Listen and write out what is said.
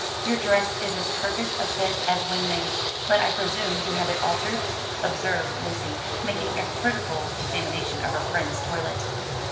"Your dress is as perfect a fit as when made, but I presume you had it altered," observed Lucy, making a critical examination of her friend's toilet.